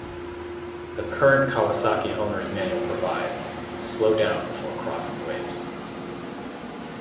The current Kawasaki owner's manual provides: Slow down before crossing waves.